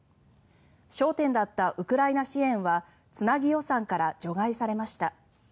焦点だったウクライナ支援はつなぎ予算から除外されました。